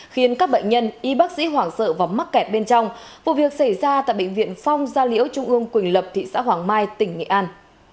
khiến các bệnh nhân y bác sĩ hoảng sợ và mắc kẹt bên trong vụ việc xảy ra tại bệnh viện phong gia liễu trung ương quỳnh lập thị xã hoàng mai tỉnh nghệ an